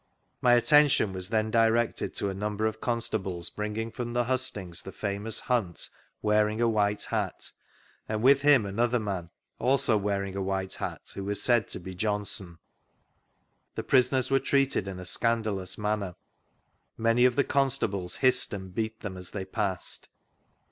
My attention was then directed to a number of constables brii^^g from the hustings the famous Hunt wearing a white hat, and with him another man, also wearing a white hat, who was said to be Johnson. The prisoners were treated in a scandalous manner ; many of the constables hissed and beat them as they passed.